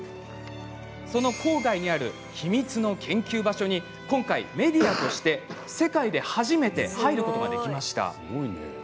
その郊外にある秘密の研究場所に今回メディアとして世界で初めて入ることができました。